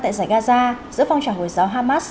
tại giải gaza giữa phong trào hồi giáo hamas